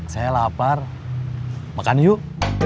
saya lapar makan yuk